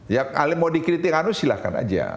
yang mau dikritik anu silahkan aja